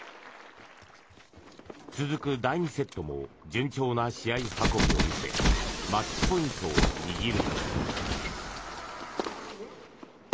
続く第２セットも順調な試合運びを見せマッチポイントを握ると。